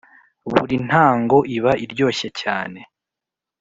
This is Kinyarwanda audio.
buri ntango Iba iryoshye cyane